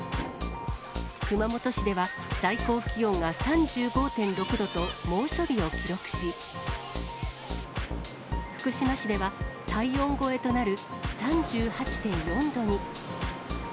熊本市では、最高気温が３５．６度と猛暑日を記録し、福島市では、体温超えとなる３８．４度に。